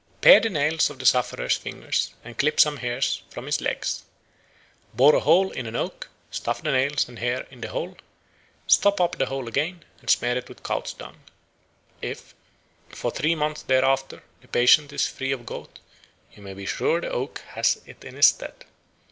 Pare the nails of the sufferer's fingers and clip some hairs from his legs. Bore a hole in an oak, stuff the nails and hair in the hole, stop up the hole again, and smear it with cow's dung. If, for three months thereafter, the patient is free of gout, you may be sure the oak has it in his stead.